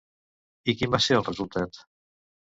I quin va ser el resultat?